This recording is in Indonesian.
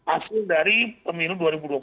asil dari pemilu dua ribu dua puluh empat